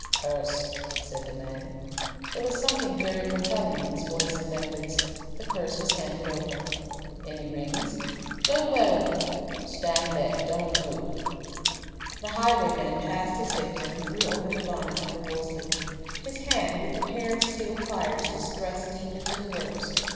"Purse," said the man. There was something very compelling in his voice and methods. The purse was handed over. "Any rings?" "Don't wear 'em." "Stand there! Don't move!" The highwayman passed his victim and threw open the bonnet of the Wolseley. His hand, with a pair of steel pliers, was thrust deep into the works.